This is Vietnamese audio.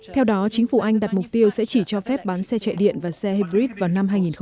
hai nghìn một mươi bảy theo đó chính phủ anh đặt mục tiêu sẽ chỉ cho phép bán xe chạy điện và xe hybrid vào